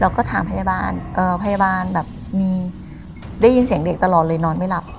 ก็ถามพยาบาลพยาบาลแบบมีได้ยินเสียงเด็กตลอดเลยนอนไม่หลับ